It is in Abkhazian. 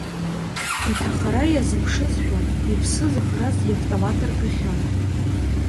Иҭахара иазыԥшызшәа иԥсы зыӷраз иавтомат ргахьан.